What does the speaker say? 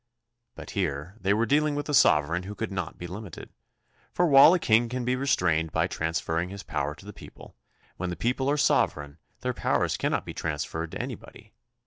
But here they w^ o aealing with a sovereign who could not be limited, for while a king can be restrained by trans ferring his power to the people, when the people are sovereign their powers cannot be transferred to any body.